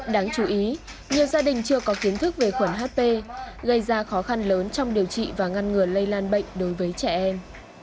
đáng chú ý nhiều gia đình chưa có kiến thức về khuẩn hp gây ra khó khăn lớn trong điều trị và ngăn ngừa lây lan bệnh đối với trẻ em